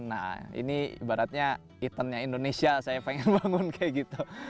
nah ini ibaratnya ethannya indonesia saya pengen bangun kayak gitu